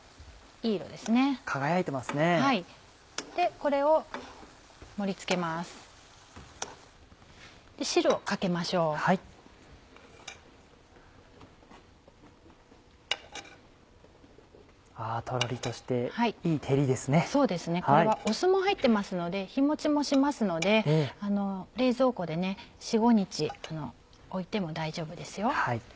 これは酢も入ってますので日持ちもしますので冷蔵庫で４５日置いても大丈夫ですよ。